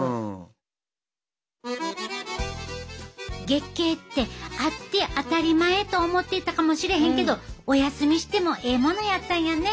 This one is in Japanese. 月経ってあって当たり前と思っていたかもしれへんけどお休みしてもええものやったんやね。